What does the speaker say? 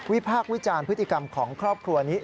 พากษ์วิจารณ์พฤติกรรมของครอบครัวนี้